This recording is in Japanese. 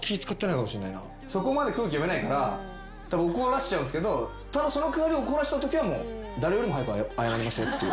そこまで空気読めないから怒らしちゃうんすけどただその代わり怒らしたときは誰よりも早く謝りますよっていう。